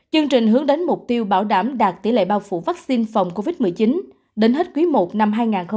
chương trình hướng đến mục tiêu bảo đảm đạt tỷ lệ bao phủ vaccine phòng covid một mươi chín đến hết quý i năm hai nghìn hai mươi